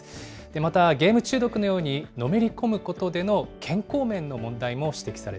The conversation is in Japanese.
また、ゲーム中毒のようにのめり込むことでの健康面の問題も指摘